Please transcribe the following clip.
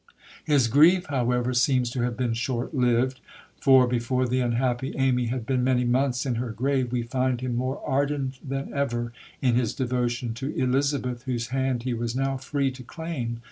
His grief, however, seems to have been short lived; for before the unhappy Amy had been many months in her grave we find him more ardent than ever in his devotion to Elizabeth, whose hand he was now free to claim.